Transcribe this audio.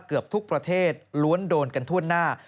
เกือบทุกประเทศล้วนโดนกันทั่วหน้า